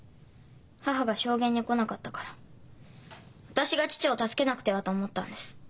母が証言に来なかったから私が父を助けなくてはと思ったんです。